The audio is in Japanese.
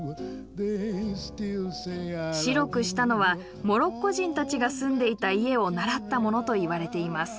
白くしたのはモロッコ人たちが住んでいた家を倣ったものといわれています。